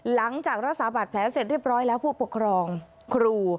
หลังจากรักษาบาดแผลเสร็จเรียบร้อยแล้วผู้ปกครองครู